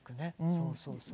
そうそうそう。